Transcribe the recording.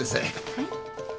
はい。